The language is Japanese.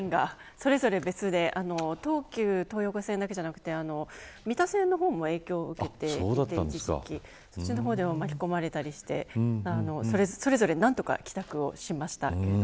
それぞれ別で東急東横線だけじゃなくて三田線の方も影響を受けていてそっちの方でも巻き込まれたりしてそれぞれなんとか帰宅をしましたけど。